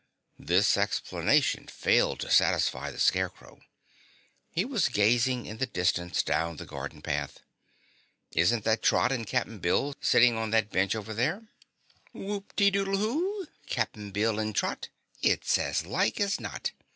This explanation failed to satisfy the Scarecrow. He was gazing in the distance down the garden path. "Isn't that Trot and Cap'n Bill sitting on that bench over there?" "Whoop ti doodle who? Cap'n Bill and Trot It is as like as not!"